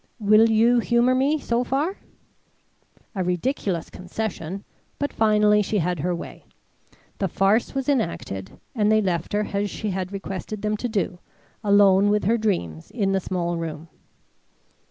Will you humour me so far?" A ridiculous concession, but finally she had her way; the farce was enacted and they left her as she had requested them to do, alone with her dreams in the small room.